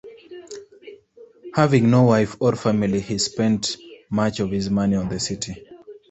Having no wife or family he spent much of his money on the city.